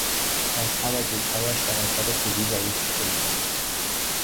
چشمها و گوشهایش در اثر پیری ضعیف شده بودند.